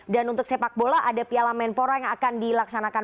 dan untuk sepak bola ada piala menpora yang akan dilaksanakan